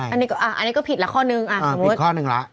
อ่าอีกข้อนึงละ